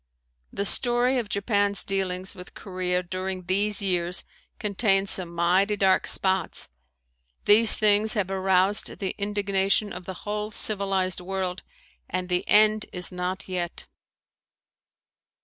The story of Japan's dealings with Korea during these years contains some mighty dark spots. These things have aroused the indignation of the whole civilized world and the end is not yet.